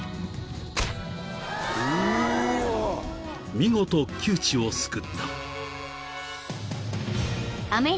［見事窮地を救った］